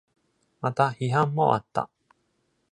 また、批判もあった。